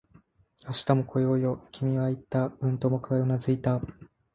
「明日も来ようよ」、君は言った。うんと僕はうなずいた